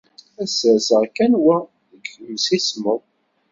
Ad sserseɣ kan wa deg yemsismeḍ.